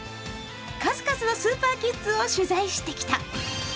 数々のスーパーキッズを取材してきた。